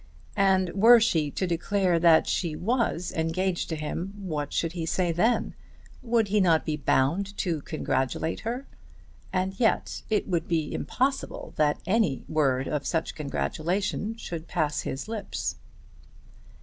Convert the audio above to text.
And were she to declare that she was engaged to him, what should he say then? Would he not be bound to congratulate her? And yet it would be impossible that any word of such congratulation should pass his lips.